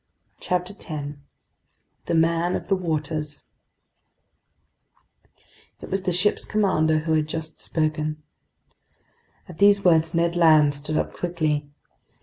CHAPTER 10 The Man of the Waters IT WAS THE ship's commander who had just spoken. At these words Ned Land stood up quickly.